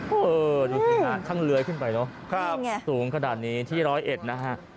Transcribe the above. โอ้โหดูขนาดทั้งเลือยขึ้นไปเนอะครับสูงขนาดนี้ที่ร้อยเอ็ดนะฮะ